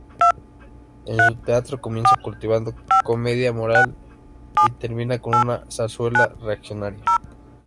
En su teatro comienza cultivando la comedia moral y termina con una zarzuela reaccionaria.